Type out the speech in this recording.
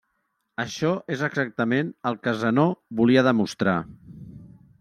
Això és exactament el que Zenó volia demostrar.